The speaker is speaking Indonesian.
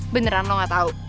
beneran lo gak tau